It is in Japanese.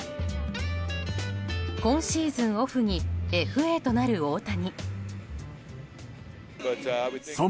今シーズンオフにＦＡとなる大谷。